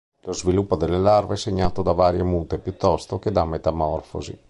Lo sviluppo delle larve è segnato da varie mute piuttosto che da metamorfosi.